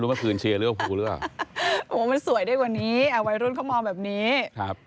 ผมว่าเปลืองมากกว่าครับแต่ว่าโต๊ะนี้โอเคครับได้ครับ